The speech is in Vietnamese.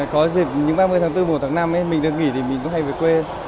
có dịp những ba mươi tháng bốn một tháng năm mình được nghỉ thì mình cũng hay về quê